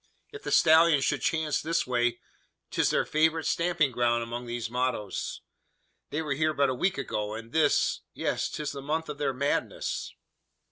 "If the stallions should chance this way! 'Tis their favourite stamping ground among these mottos. They were here but a week ago; and this yes 'tis the month of their madness!"